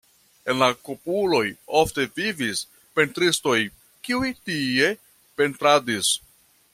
En la kupoloj ofte vivis pentristoj, kiuj tie pentradis.